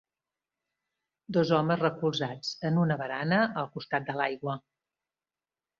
Dos homes recolzats en una barana al costat de l'aigua.